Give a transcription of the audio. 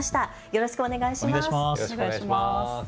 よろしくお願いします。